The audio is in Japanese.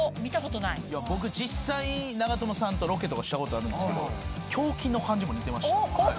僕実際長友さんとロケとかしたことあるんですけど胸筋の感じも似てました。